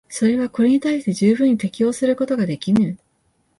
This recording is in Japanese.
それはこれに対して十分に適応することができぬ。